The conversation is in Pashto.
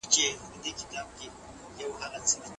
دماغي فعالیت اغېزمنېدای شي.